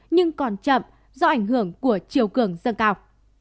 nhưng còn chậm do ảnh hưởng của chiều cường dâng cao